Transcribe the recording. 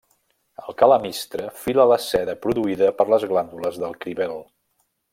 El calamistre fila la seda produïda per les glàndules del cribel.